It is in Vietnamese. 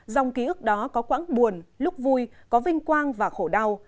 dòng ký ức đó có quãng buồn lúc vui có vinh quang và khổ đau